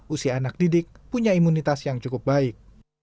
usia anak didik punya imunitas yang cukup baik